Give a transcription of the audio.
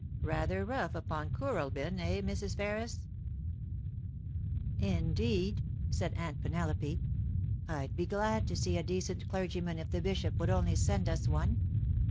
Rather rough upon Kooralbyn — eh, Mrs. Ferris ?Indeed,' said Aunt Penelope, * I'd be glad to see a decent clergyman if the bishop would only send us one.